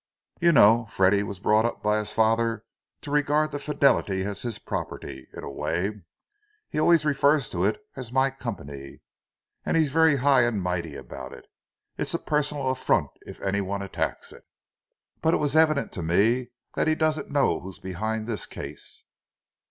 You know, Freddie was brought up by his father to regard the Fidelity as his property, in a way. He always refers to it as 'my company.' And he's very high and mighty about it—it's a personal affront if anyone attacks it. But it was evident to me that he doesn't know who's behind this case."